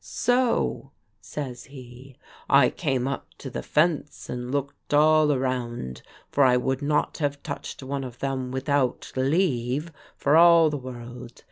"So," says he, "I came up to the fence and looked all around, for I would not have touched one of them without leave for all the world.